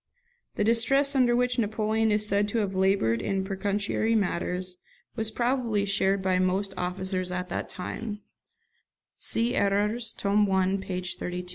The distress under which Napoleon is said to have laboured in pecuniary matters was probably shared by most officers at that time; see 'Erreurs', tome i. p. 32.